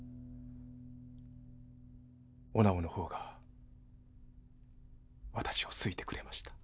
お直の方が私を好いてくれました。